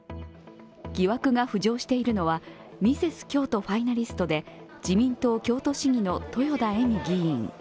疑惑が浮上しているのは、ミセス京都ファイナリストで、自民党京都市議の豊田恵美議員。